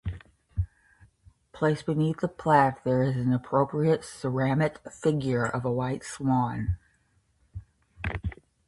Placed beneath the plaque there is an appropriate ceramic figure of a white swan.